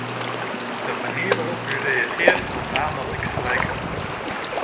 De manier waarop u reageert toont aan dat ik gelijk heb.